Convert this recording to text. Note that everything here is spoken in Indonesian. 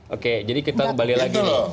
oke jadi kita kembali lagi nih